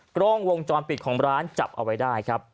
กล้องวงจรปิดของร้านจับเอาไว้ได้ครับ